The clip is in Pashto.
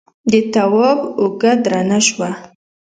د تواب اوږه درنه شوه.